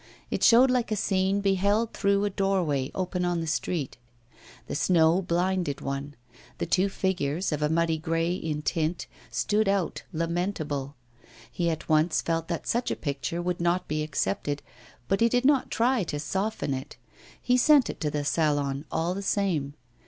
It showed like a scene beheld through a doorway open on the street. The snow blinded one. The two figures, of a muddy grey in tint, stood out, lamentable. He at once felt that such a picture would not be accepted, but he did not try to soften it; he sent it to the Salon, all the same.